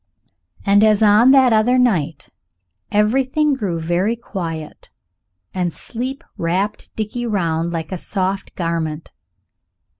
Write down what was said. And as on that other night everything grew very quiet, and sleep wrapped Dickie round like a soft garment.